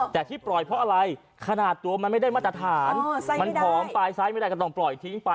แต่ที่ปล่อยเพราะอะไรขนาดตัวมันไม่ได้มาตรฐานมันผอมปลายซ้ายไม่ได้ก็ต้องปล่อยทิ้งไป